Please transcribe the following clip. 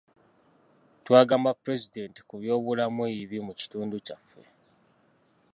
Twagamba pulezidenti ku byobulamu ebibi mu kitundu kyaffe.